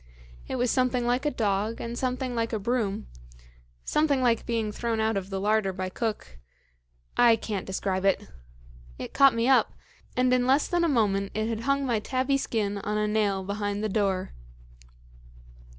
It was something like a dog and something like a broom, something like being thrown out of the larder by cook I can't describe it. It caught me up, and in less than a moment it had hung my tabby skin on a nail behind the door.